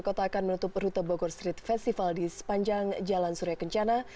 kota akan menutup rute bogor street festival di sepanjang jalan surya kencana